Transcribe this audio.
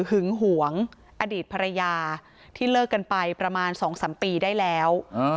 หึงหวงอดีตภรรยาที่เลิกกันไปประมาณ๒๓ปีได้แล้ว